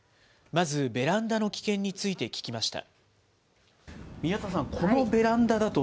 まず、ベランダの危険について聞きました。